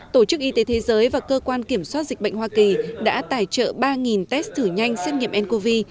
tổ chức y tế thế giới và cơ quan kiểm soát dịch bệnh hoa kỳ đã tài trợ ba test thử nhanh xét nghiệm ncov